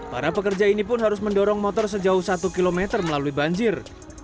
para pekerja ini pun harus mendorong motor sejauh satu km melalui banjir